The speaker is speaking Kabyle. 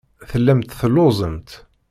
Tellamt telluẓemt.